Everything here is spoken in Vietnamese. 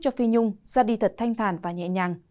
cho phi nhung ra đi thật thanh thản và nhẹ nhàng